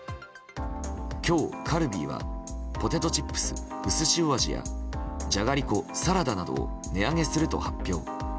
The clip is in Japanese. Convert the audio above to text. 今日、カルビーはポテトチップスうすしお味やじゃがりこサラダなどを値上げすると発表。